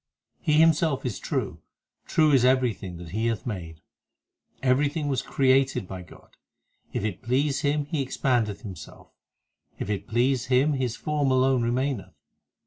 5 He Himself is true ; true is everything that He hath made : Everything was created by God. If it please Him He expandeth Himself, If it please Him His form alone remaineth.